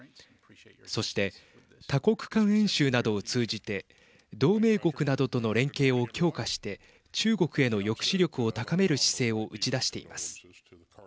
そして、多国間演習などを通じて同盟国などとの連携を強化して中国への抑止力を高める姿勢を打ち出しています。